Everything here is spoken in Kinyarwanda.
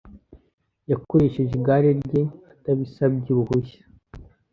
Yakoresheje igare rye atabisabye uruhushya.